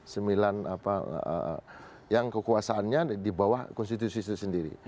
sembilan apa yang kekuasaannya di bawah konstitusi itu sendiri